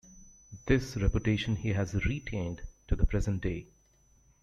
This reputation he has retained to the present day.